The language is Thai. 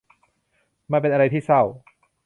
มันเป็นอะไรที่เศร้า